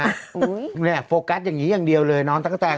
เนี่ยโฟกัสอย่างนี้อย่างเดียวเลยน้องตะกะแตน